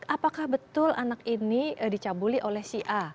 apakah betul anak ini dicabuli oleh si a